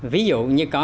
ví dụ như